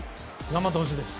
頑張ってほしいです。